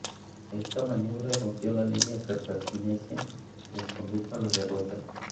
Esta maniobra rompió la línea cartaginesa y les condujo a la derrota.